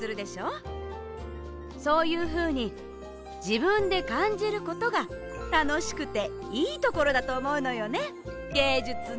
そういうふうにじぶんでかんじることがたのしくていいところだとおもうのよねゲージュツの。